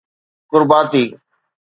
ڪرباتي